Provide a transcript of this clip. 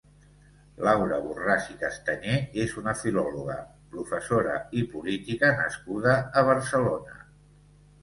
Laura Borràs i Castanyer és una filòloga, professora i política nascuda a Barcelona.